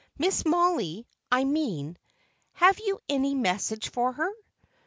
"Miss Mollie, I mean; have you any message for her?"